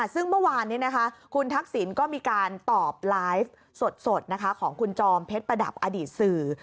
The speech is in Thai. ซึ่งเมื่อวานนี้คุณทักษิณก็มีการตอบไลฟ์สดของคุณจอมเพชรประดับอดีตสื่อ